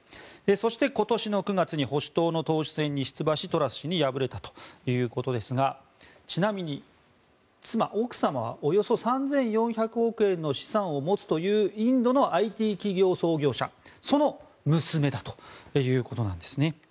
そして、今年の９月に保守党の党首選に出馬しトラス氏に敗れたということですがちなみに、妻、奥様はおよそ３４００億円の資産を持つというインドのＩＴ企業創業者その娘だということなんですね。